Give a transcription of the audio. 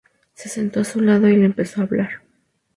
Se sentó a su lado y le empezó a hablar.